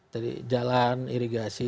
jadi jalan irigasi